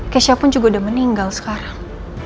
kesha pun juga udah meninggal sekarang